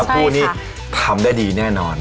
ทางผู้นี่ทำได้ดีแน่นอนนะครับ